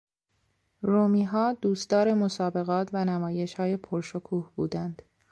رومیها دوستدار مسابقات و نمایشهای پر شکوه بودند.